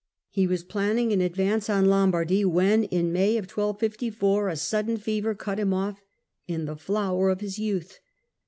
He was planning an advance on Lombardy when, in May 1254, a sudden fever cut him off in the flower of his youth.